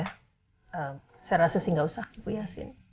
saya rasa sih nggak usah bu yasin